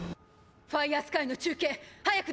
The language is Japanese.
ファイヤースカイの中継早く出して！